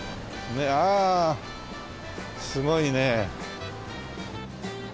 ああすごいね。